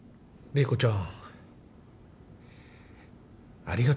・麗子ちゃん？